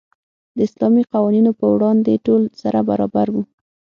د اسلامي قوانینو په وړاندې ټول سره برابر وو.